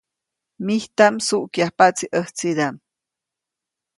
Mijtaʼm msuʼkyajpaʼtsi ʼäjtsidaʼm.